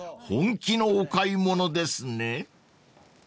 本気のお買い物ですね］